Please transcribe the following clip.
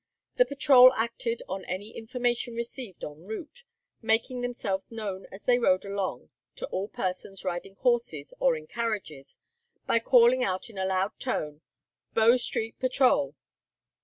The patrol acted on any information received en route, making themselves known as they rode along to all persons riding horses or in carriages, by calling out in a loud tone "Bow Street Patrol."